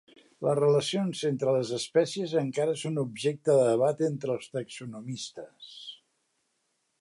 Les relacions entre les espècies encara són objecte de debat entre els taxonomistes.